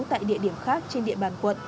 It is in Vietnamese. tại địa điểm khác trên địa bàn quận